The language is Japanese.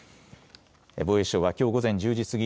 防衛省はきょう午前１０時過ぎ